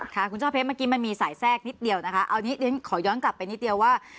ค่ะคุณช่อเพชรเมื่อกี้มันมีสายแทรกนิดเดียวนะคะเอานี้เรียนขอย้อนกลับไปนิดเดียวว่า